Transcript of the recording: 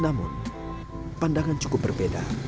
namun pandangan cukup berbeda